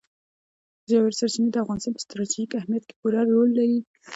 ژورې سرچینې د افغانستان په ستراتیژیک اهمیت کې پوره رول لري.